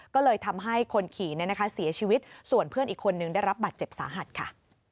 ก็เลยทำให้คนขี่เสียชีวิตส่วนเพื่อนอีกคนนึงได้รับบัตรเจ็บสาหัสค่ะ